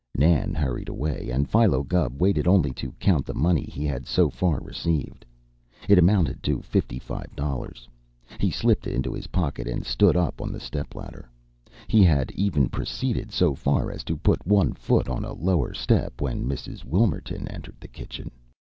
Nan hurried away, and Philo Gubb waited only to count the money he had so far received. It amounted to fifty five dollars. He slipped it into his pocket and stood up on the stepladder. He had even proceeded so far as to put one foot on a lower step, when Mrs. Wilmerton entered the kitchen.